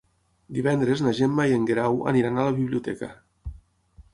Divendres na Gemma i en Guerau aniran a la biblioteca.